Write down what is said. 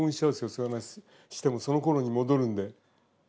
そういう話してもそのころに戻るんで。